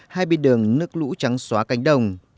hai bên đường nước lũ trắng xóa cánh đồng